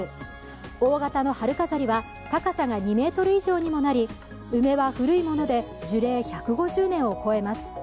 大型の春飾りは高さが２ｍ以上にもなり、梅は古いもので樹齢１５０年を超えます。